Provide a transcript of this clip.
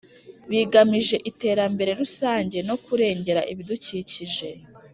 bigamije iterambere rusange no kurengera ibidukikije